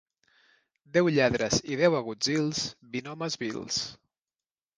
Deu lladres i deu agutzils, vint homes vils.